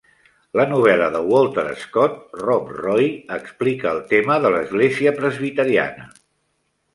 La novel·la de Walter Scott, "Rob Roy", explica el tema de l'església presbiteriana.